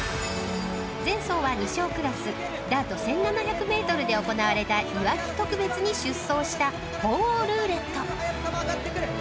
［前走は２勝クラスダート１，７００ｍで行われたいわき特別に出走したホウオウルーレット］